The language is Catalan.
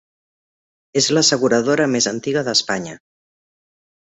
És l'asseguradora més antiga d'Espanya.